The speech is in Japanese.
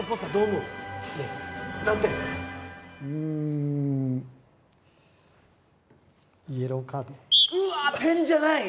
うわっ点じゃない！